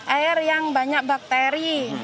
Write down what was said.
air yang banyak bakteri